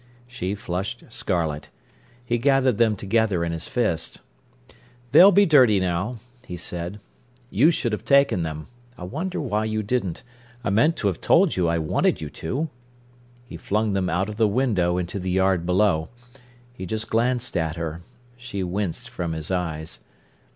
She flushed scarlet. He gathered them together in his fist. "They'll be dirty now," he said. "You should have taken them. I wonder why you didn't. I meant to have told you I wanted you to." He flung them out of the window into the yard below. He just glanced at her. She winced from his eyes.